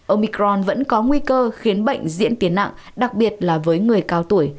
omicron vẫn có nguy cơ khiến bệnh diễn tiến nặng đặc biệt là với người cao tuổi